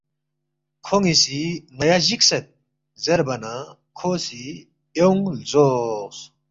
کھون٘ی سی ”ن٘یا جِکھسید“ زیربا نہ کھو سی ایونگ لزوقس